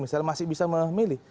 misalnya masih bisa memilih